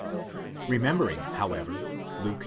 Remembering, however, Luke i.